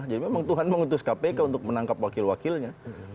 memang tuhan mengutus kpk untuk menangkap wakil wakilnya